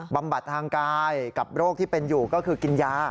บำบัดทางกายกับโรคที่เป็นอยู่ก็คือกินยา